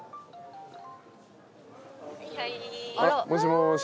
もしもし。